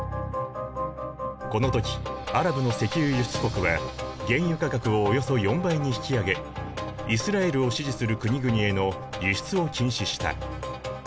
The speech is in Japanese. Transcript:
この時アラブの石油輸出国は原油価格をおよそ４倍に引き上げイスラエルを支持する国々への輸出を禁止した。